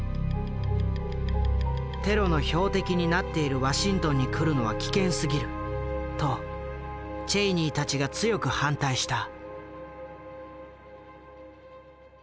「テロの標的になっているワシントンに来るのは危険すぎる」とチェイニーたちが強く反対した。